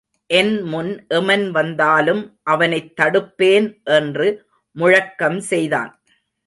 என் முன் எமன் வந்தாலும் அவனைத் தடுப்பேன் என்று முழக்கம் செய்தான்.